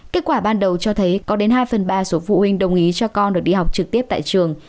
kết quả ban đầu cho thấy có đến hai phần ba số phụ huynh đồng ý cho con được đi học trực tiếp tại trường